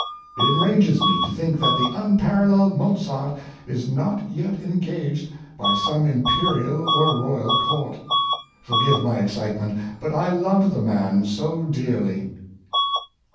^^"^ It enrages me to think that the unparalleled Mozart is not yet engaged by some imperial or royal court. Forgive my excitement; but I love the man so dearly